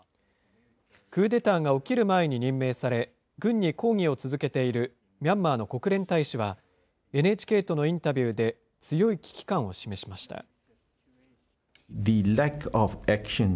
クーデターが起きる前に任命され、軍に抗議を続けているミャンマーの国連大使は、ＮＨＫとのインタビューで、強い危機感を示しました。